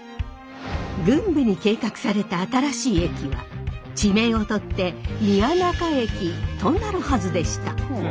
郡部に計画された新しい駅は地名をとって宮仲駅となるはずでした。